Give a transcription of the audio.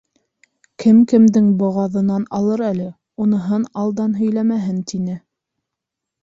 Кем кемдең боғаҙынан алыр әле, уныһын алдан һөйләмәһен, — тине.